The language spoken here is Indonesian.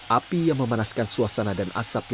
api yang memanaskan suasana dan asap